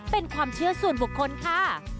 เป็นความเชื่อส่วนบุคคลค่ะ